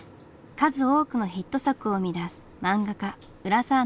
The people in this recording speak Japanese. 数多くのヒット作を生み出す漫画家